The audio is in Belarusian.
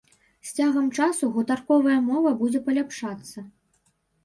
З цягам часу гутарковая мова будзе паляпшацца.